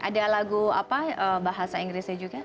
ada lagu apa bahasa inggrisnya juga